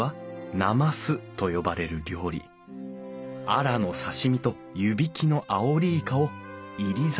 アラの刺身と湯引きのアオリイカを煎り酒をかけて頂く。